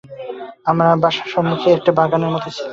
আমার বাসার সম্মুখে একটু বাগানের মতো ছিল।